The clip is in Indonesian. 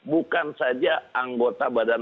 bukan saja anggota badan